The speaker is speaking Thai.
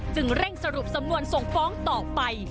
เร่งสรุปสำนวนส่งฟ้องต่อไป